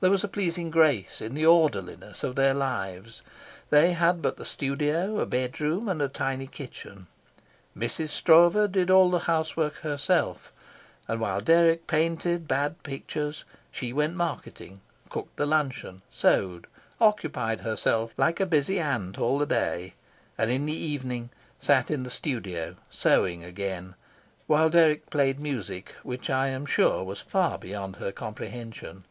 There was a pleasing grace in the orderliness of their lives. They had but the studio, a bedroom, and a tiny kitchen. Mrs. Stroeve did all the housework herself; and while Dirk painted bad pictures, she went marketing, cooked the luncheon, sewed, occupied herself like a busy ant all the day; and in the evening sat in the studio, sewing again, while Dirk played music which I am sure was far beyond her comprehension.